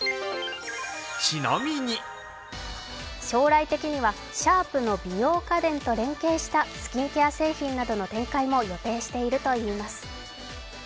将来的にはシャープの美容家電と連携したスキンケア製品などの展開も予定しているといいます。